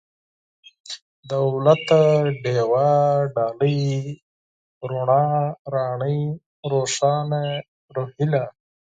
دولته ، ډېوه ، ډالۍ ، رڼا ، راڼۍ ، روښانه ، روهيله